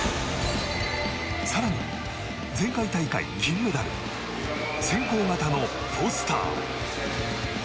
更に前回大会、銀メダル先行型のフォスター。